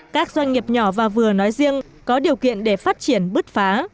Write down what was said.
các doanh nghiệp nhỏ và vừa nói riêng có điều kiện để phát triển bứt phá